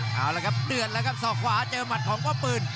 เอาละครับเดือดแล้วครับศอกขวาเจอหมัดของพ่อปืน